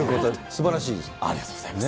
すばらしありがとうございます。